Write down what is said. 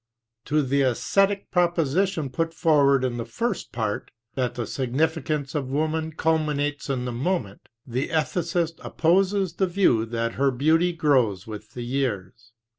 To the esthetic proposition put forward in the first part, that the significance of woman culminates in the moment, the ethicist opposes the view that 25 her beauty grows with the years.